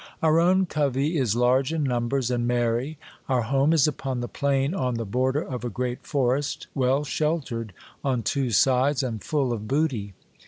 Our own covey is large in numbers, and merry ; our home is upon the plain on the border of a great forest, well sheltered on two sides, and full of booty.